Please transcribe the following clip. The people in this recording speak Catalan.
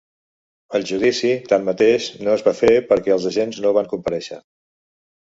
El judici, tanmateix, no es va fer perquè els agents no van comparèixer.